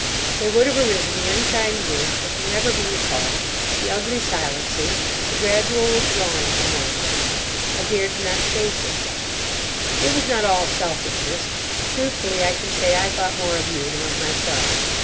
There would have arisen the unkind words that can never be recalled; the ugly silences; the gradual withdrawing from one another. I dared not face it. "'It was not all selfishness. Truthfully I can say I thought more of you than of myself.